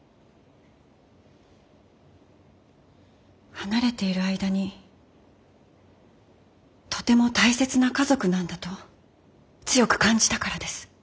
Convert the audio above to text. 離れている間にとても大切な家族なんだと強く感じたからです。